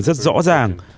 rất rõ ràng